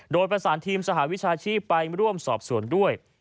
โดยประสานทีมสหวิชาชีพไปร่วมสอบสวนด้วย